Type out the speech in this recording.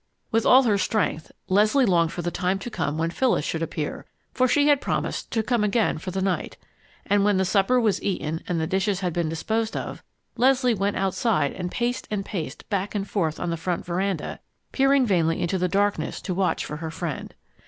With all her strength, Leslie longed for the time to come when Phyllis should appear, for she had promised to come again for the night. And when the supper was eaten and the dishes had been disposed of, Leslie went outside and paced and paced back and forth on the front veranda, peering vainly into the darkness to watch for her friend.